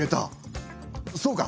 そうか！